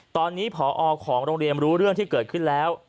ตอนนี้ผอของโรงเรียนรู้เรื่องที่เกิดขึ้นแล้ว